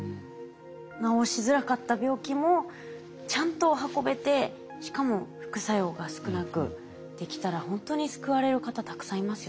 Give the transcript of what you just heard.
治しづらかった病気もちゃんと運べてしかも副作用が少なくできたらほんとに救われる方たくさんいますよね。